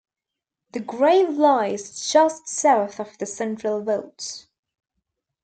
The grave lies just south of the central vaults.